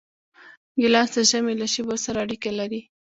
ګیلاس د ژمي له شېبو سره اړیکه لري.